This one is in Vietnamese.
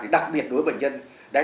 đặc biệt đối với bệnh nhân